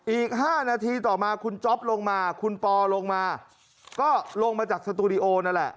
อีก๕นาทีต่อมาคุณจ๊อปลงมาคุณปอลงมาก็ลงมาจากสตูดิโอนั่นแหละ